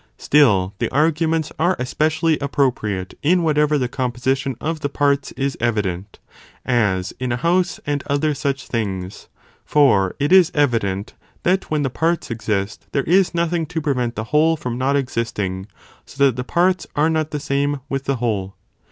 Still the arguments are especially appropriate in whatever the composition of the parts is evident, as in a house and other such things; for it is evident that when the parts exist, there is nothing to prevent the whole from not existing, so that the parts are not the same with the whole.